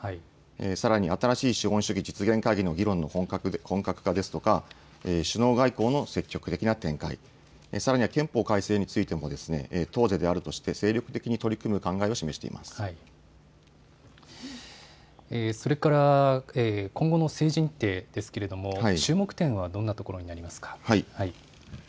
さらに、新しい資本主義実現会議の議論の本格化ですとか、首脳外交の積極的な展開、さらには憲法改正についても、党是であるとして、精力的に取り組む考えを示しそれから、今後の政治日程ですけれども、注目点はどんなことにありますか。